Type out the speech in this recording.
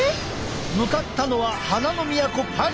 向かったのは花の都パリ。